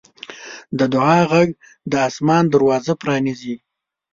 د دعا غږ د اسمان دروازه پرانیزي.